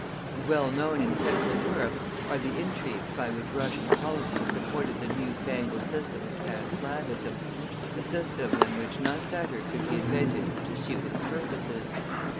And well known in Central Europe are the intrigues by which Russian policy supported the new fangled system of Panslavism, a system than which none better could be invented to suit its purposes.